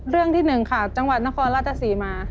เรื่องที่๑ค่ะจังหวัดนครราชศรีมา